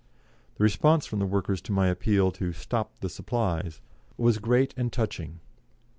The response from the workers to my appeal to "Stop the supplies" was great and touching.